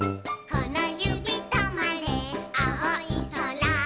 「このゆびとまれあおいそら」